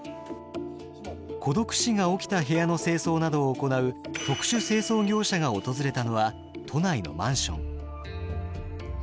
孤独死が起きた部屋の清掃などを行う特殊清掃業者が訪れたのは都内のマンション。